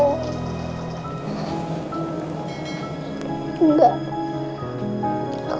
aku mau pulih ngerah